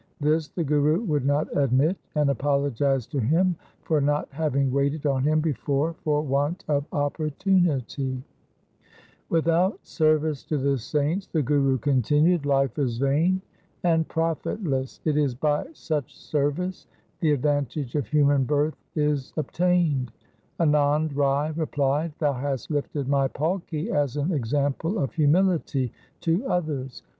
This the Guru would not admit, and apologized to him for not having waited on him before for want of opportunity. ' Without service to the saints,' the Guru continued, 1 Generally known as a palanquin. LIFE OF GURU HAR GOBIND 229 ' life is vain and profitless. It is by such service the advantage of human birth is obtained.' Anand Rai replied, ' Thou hast lifted my palki as an ex ample of humility to others.